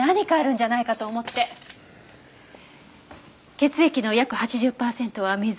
血液の約８０パーセントは水。